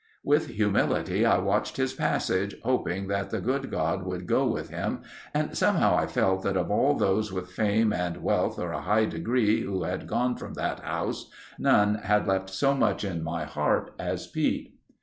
With humility I watched his passage, hoping that the good God would go with him and somehow I felt that of all those with fame and wealth or of high degree who had gone from that house, none had left so much in my heart as Pete.